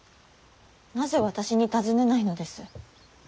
なぜ私に尋ねないのです。